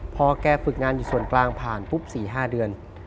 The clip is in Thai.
พอแกฝึกงานอยู่ส่วนกลางผ่านปุ๊บ๔๕เดือน